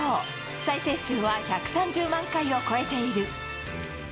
再生数は１３０万回を超えている。